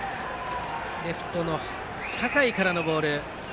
レフトの酒井からのボールでした。